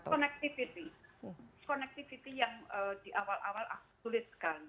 konektivitas konektivitas yang di awal awal sulit sekali